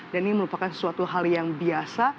dan ini merupakan sesuatu hal yang biasa